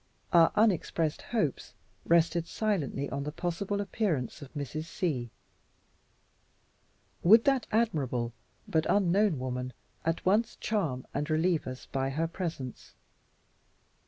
Our unexpressed hopes rested silently on the possible appearance of Mrs. C. Would that admirable, but unknown, woman, at once charm and relieve us by her presence?